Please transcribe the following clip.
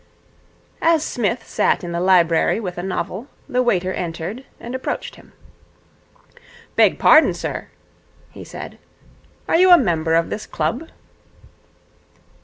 As Psmith sat in the library with a novel, the waiter entered, and approached him. 'Beg pardon, sir,' he said. 'Are you a member of this club?'